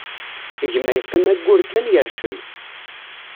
Gma yeqqim ayyur kan, yercel.